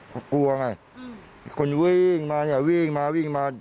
เขากลัวไงคนวิ่งมาเนี่ยวิ่งมาวิ่งมา